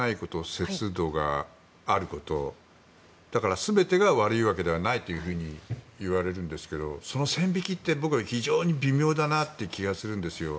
節度があることだから全てが悪いわけではないといわれるんですがその線引きって僕は非常に微妙だなという気がするんですよ。